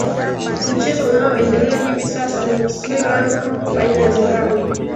mchezo unaoendelea hivi sasa ni srilanka baina ya zimbabwe